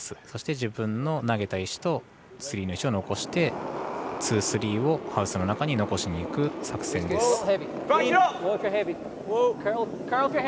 そして、自分の投げた石とスリーの石を残してツー、スリーをハウスの中に残しにいく作戦です。